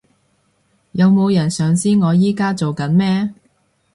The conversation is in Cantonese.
有冇人想知我而家做緊咩？